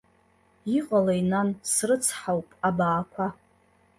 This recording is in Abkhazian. Иҟалеи, нан, срыцҳауп абаақәа!